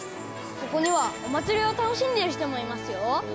ここにはお祭りを楽しんでいる人もいますよ。